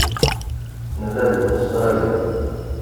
Nella deg Ustṛalya.